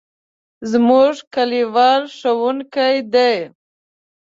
زموږ کلیوال ښوونکی دی.